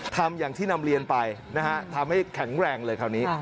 ทำอย่างที่นำเรียนไปนะฮะทำให้แข็งแรงเลยคราวนี้